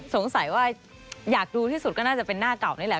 สงสัยว่าอยากดูที่สุดก็น่าจะเป็นหน้าเก่านี่แหละ